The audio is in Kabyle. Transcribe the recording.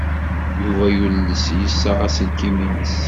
Yuba yules yessaɣ aselkim-nnes.